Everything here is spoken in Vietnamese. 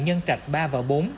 nhân trạch ba và bốn